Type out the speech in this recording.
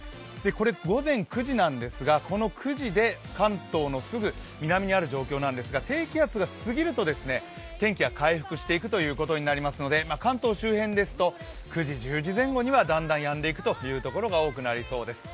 午前９時なんですがこの９時で関東のすぐ南にある状況なんですが低気圧が過ぎると天気が回復していくことになりますので関東周辺ですと９時、１０時前後にはだんだんやんでくるということになりそうです。